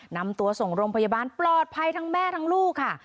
นำตัวส่งโรงพยาบาลปลอดภัยทั้งแม่ทั้งลูกค่ะ